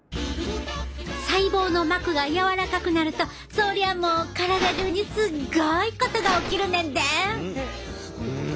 細胞の膜が柔らかくなるとそりゃもう体中にすっごいことが起きるねんで！